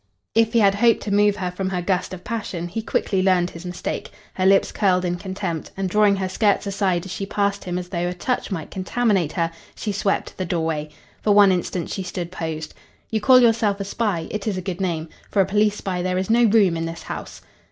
If he had hoped to move her from her gust of passion, he quickly learned his mistake. Her lips curled in contempt, and, drawing her skirts aside as she passed him as though a touch might contaminate her, she swept to the doorway. For one instant she stood posed. "You call yourself a spy. It is a good name. For a police spy there is no room in this house."